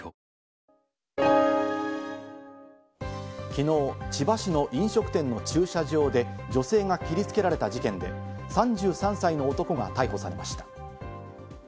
きのう、千葉市の飲食店の駐車場で、女性が切りつけられた事件で、３３歳の男が逮捕されました。